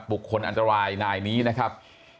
บุคคลอันตรายนายนี้นะครับ